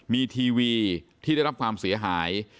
มีทีวีที่ได้รับความเสียหาย